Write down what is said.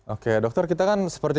oke dokter kita kan seperti